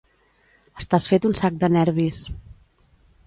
Estàs fet un sac de nervis